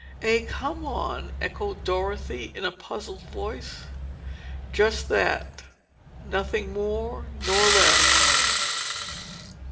"A come on?" echoed Dorothy in a puzzled voice. "Just that—nothing more nor less."